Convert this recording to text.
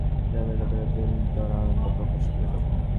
গ্রামের লোকেরা বিস্তর আনন্দ প্রকাশ করিল।